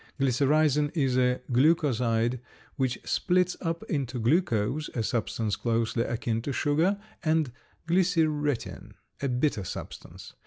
Glycyrrhizin is a glucoside which splits up into glucose, a substance closely akin to sugar, and glycyrretin, a bitter substance.